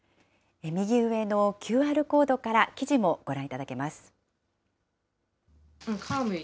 右上のＱＲコードから記事もご覧いただけます。